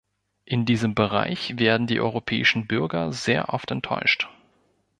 In diesem Bereich werden die europäischen Bürger sehr oft enttäuscht.